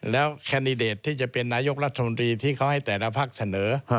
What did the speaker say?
แล้วแคนดิเดตที่จะเป็นนายกรัฐมนตรีที่เขาให้แต่ละภาคเสนอ